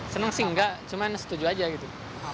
senang sih enggak cuman setuju aja gitu